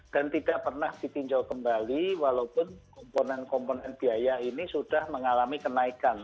dan tidak pernah dipinjau kembali walaupun komponen komponen biaya ini sudah mengalami kenaikan